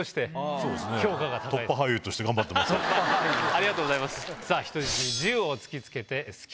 ありがとうございます。